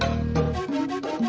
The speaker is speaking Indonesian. kalian kasih tau ada aku